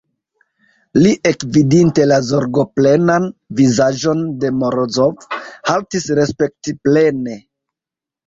Li, ekvidinte la zorgoplenan vizaĝon de Morozov, haltis respektplene.